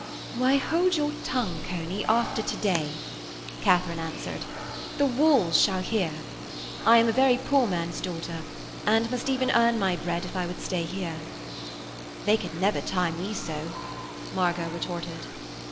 'Why, hold your tongue, coney, after to day,' Katharine answered, 'the walls shall hear. I am a very poor man's daughter and must even earn my bread if I would stay here.' 'They could never tie me so,' Margot retorted.